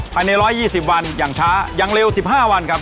ภายใน๑๒๐วันอย่างช้าอย่างเร็ว๑๕วันครับ